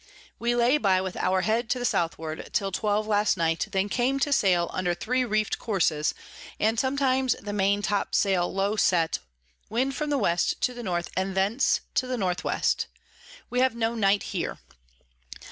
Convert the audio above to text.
We lay by with our Head to the Southward till 12 last night, then came to sail under three reef'd Courses, and sometimes the Maintop Sail low set, Wind from the W. to the N. and thence to the N.W. We have no Night here.